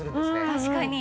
確かに。